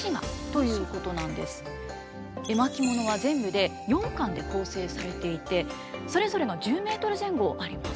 絵巻物は全部で４巻で構成されていてそれぞれが１０メートル前後あります。